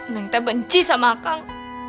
neng aku benci dengan akang